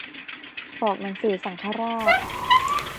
บอกหนังสือสังฆราช